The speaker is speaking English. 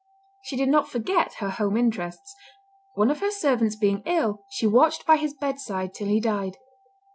She did not forget her home interests. One of her servants being ill, she watched by his bedside till he died.